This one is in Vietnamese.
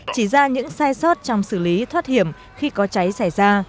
chỉ ra những sai sót trong xử lý thoát hiểm khi có cháy xảy ra